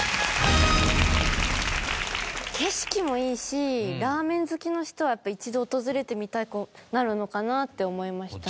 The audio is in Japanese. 景色もいいしラーメン好きの人はやっぱ一度訪れてみたくなるのかなって思いましたね。